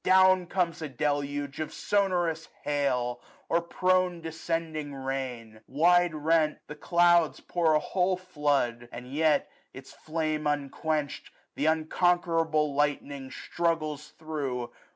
Down comes a deluge of sonorous hail, Or prone descending rain. Wide rent, the clouds, 1145 Pour a whole flood ; and yet, its flame unquench'd, Th* unconquerable lightning struggles through.